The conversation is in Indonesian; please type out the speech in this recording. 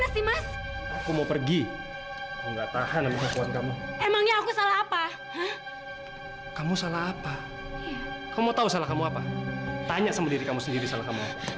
sampai jumpa di video selanjutnya